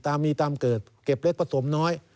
ตามมีตามเกิดเก็บเล็กประสงค์น้อย